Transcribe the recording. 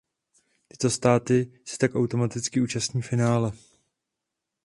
Tyto státy se tak automaticky účastní finále.